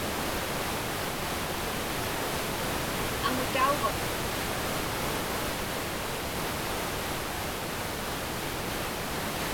Aŋutauvak?